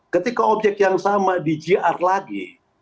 ketika objek yang sama di gr lagi